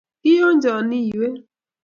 Kiyonjon iyweek